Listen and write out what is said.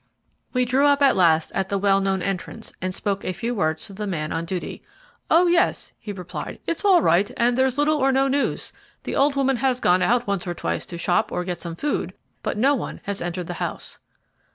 We drew up at last at the well known entrance, and spoke a few words to the man on duty. "Oh yes," he replied, "it's all right, and there's little or no news. The old woman has gone out once or twice to a shop to get some food, but no one has entered the house."